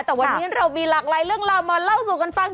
แต่วันนี้เรามีหลากหลายเรื่องราวมาเล่าสู่กันฟัง